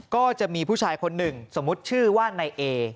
ก็จะมีผู้ชายคนหนึ่งสมมุติชื่อว่านายเอ